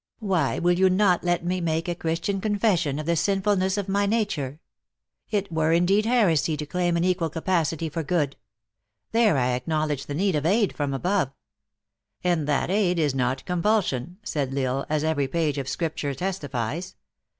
" Why, will you not let me make a Christian con THE ACTRESS IN HIGH LIFE. 203 fession of the sinfulness of my nature ? It were in deed heresy to claim an equal capacity for good. There I acknowledge the need of aid from above." " And that aid is not compulsion," said L Isle, " as every page of Scripture testifies.